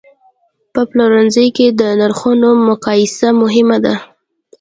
په پلورنځي کې د نرخونو مقایسه مهمه ده.